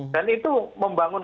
dan itu membangun